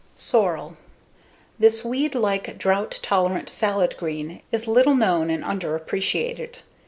Sorrel This weed like, drought tolerant salad green is little known and underappreciated.